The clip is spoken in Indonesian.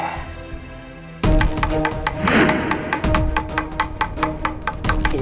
ini pasti ada yang bahaya